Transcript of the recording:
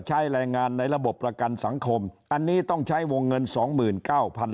ใช้แรงงานในระบบประกันสังคมอันนี้ต้องใช้วงน